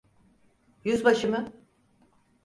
Yüzbaşı mı?